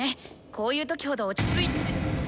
こういう時ほど落ち着いて。